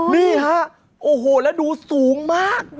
นี่ครับโอ้โฮแล้วดูสูงมาก